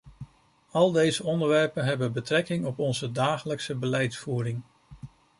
Al deze onderwerpen hebben betrekking op onze dagelijkse beleidsvoering.